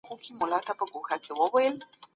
هغوی پرون کار کاوه.